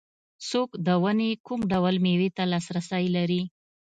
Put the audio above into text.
څوک د ونې کوم ډول مېوې ته لاسرسی لري.